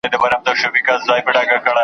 محکمه وه پاچهي د لوی قاضي وه .